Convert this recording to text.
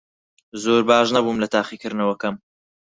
زۆر باش نەبووم لە تاقیکردنەوەکەم.